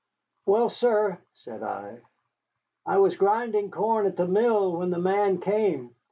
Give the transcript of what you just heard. "Well, sir," said I, "I was grinding corn at the mill when the man came.